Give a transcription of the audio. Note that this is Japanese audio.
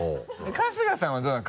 春日さんはどうなの？